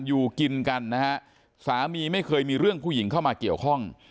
อยู่กินกันนะฮะสามีไม่เคยมีเรื่องผู้หญิงเข้ามาเกี่ยวข้อง